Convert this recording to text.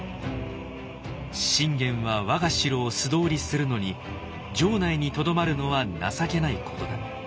「信玄は我が城を素通りするのに城内にとどまるのは情けないことだ。